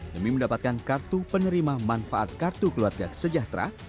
demi mendapatkan kartu penerima manfaat kartu keluarga kesejahtera